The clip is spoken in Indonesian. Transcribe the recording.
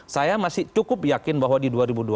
saya masih cukup yakin bahwa di dua ribu dua puluh empat